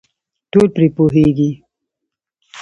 ټول پرې پوهېږي .